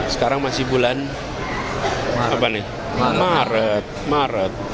sekarang masih bulan maret maret